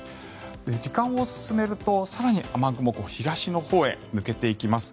時間を進めると更に雨雲は東のほうへ抜けていきます。